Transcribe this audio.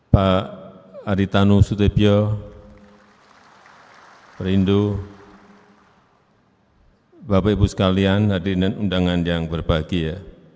pak aritano sudebjo perindu bapak ibu sekalian hadirin undangan yang berbahagia